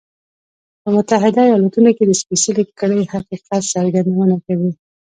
په متحده ایالتونو کې د سپېڅلې کړۍ حقیقت څرګندونه کوي.